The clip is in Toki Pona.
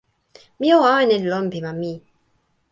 mi o awen e lon pi ma mi.